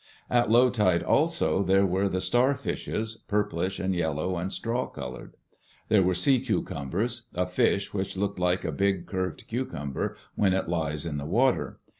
At low tide, also, there were the star fishes, purplish and yellow and straw colored. There were sea cucumbers, a fish which looked like a big curved cucumber when it lies in the water.